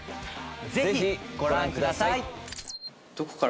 ぜひご覧ください！